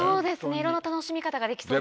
いろんな楽しみ方ができそう。